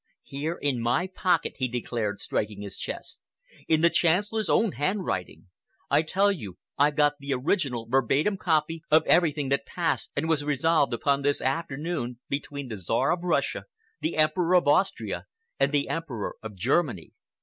"Here in my pocket," he declared, striking his chest, "in the Chancellor's own handwriting. I tell you I've got the original verbatim copy of everything that passed and was resolved upon this afternoon between the Czar of Russia, the Emperor of Austria and the Emperor of Germany.